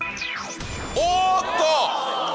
おーっと。